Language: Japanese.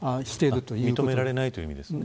認められないという意味ですね。